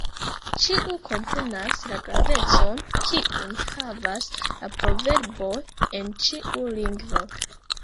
Ĉiu komprenas la gravecon, kiun havas la proverboj en ĉiu lingvo.